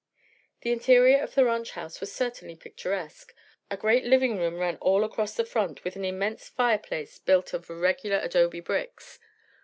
The interior of the ranch house was certainly picturesque. A great living room ran all across the front, with an immense fireplace built of irregular adobe bricks.